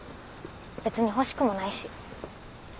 別に欲しくもないし。